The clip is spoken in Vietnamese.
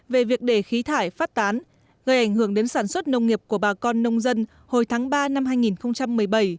về việc để khí thải phát tán gây ảnh hưởng đến sản xuất nông nghiệp của bà con nông dân hồi tháng ba năm hai nghìn một mươi bảy